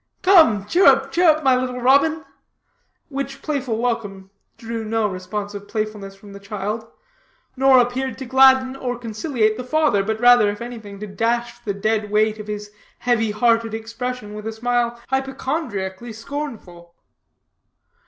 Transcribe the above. Come, chirrup, chirrup, my little robin!" Which playful welcome drew no responsive playfulness from the child, nor appeared to gladden or conciliate the father; but rather, if anything, to dash the dead weight of his heavy hearted expression with a smile hypochondriacally scornful.